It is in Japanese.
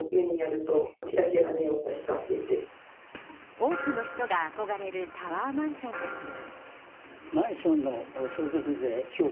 多くの人が憧れるタワーマンションですが。